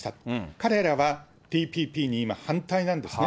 彼らはＴＰＰに今、反対なんですね。